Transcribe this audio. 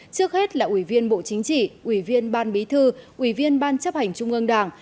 trước hết là ủy viên bộ chính trị ủy viên ban bí thư ủy viên ban chấp hành trung ương đảng